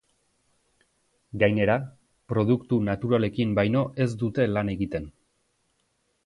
Gainera, produktu naturalekin baino ez dute lan egiten.